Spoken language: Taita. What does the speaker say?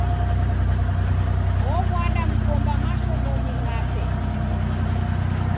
Ow'ada mkomba mashomonyi ghape.